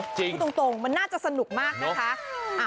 พูดตรงมันน่าจะสนุกมากนะคะ